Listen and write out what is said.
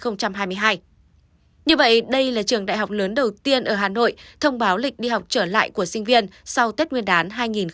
như vậy đây là trường đại học lớn đầu tiên ở hà nội thông báo lịch đi học trở lại của sinh viên sau tết nguyên đán hai nghìn hai mươi